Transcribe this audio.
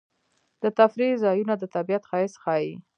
د تفریح ځایونه د طبیعت ښایست ښيي.